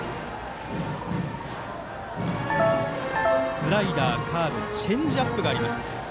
スライダー、カーブチェンジアップがあります。